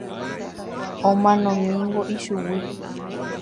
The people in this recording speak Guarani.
Omanómaniko ichugui.